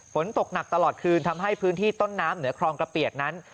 ฝนตกหนักตลอดคืนทำให้พื้นที่ต้นน้ำเหนือคลองกระเปียกนั้น